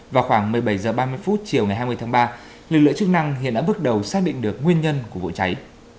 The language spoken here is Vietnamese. vào khoảng một mươi bảy h ba mươi chiều ngày hai mươi tháng ba lực lượng chức năng hiện đã bước đầu xác định được nguyên nhân của vụ cháy